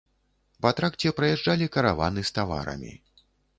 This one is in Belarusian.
Па тракце праязджалі караваны з таварамі.